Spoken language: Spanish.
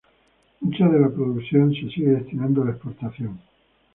Mucha de la producción se sigue destinando a la exportación.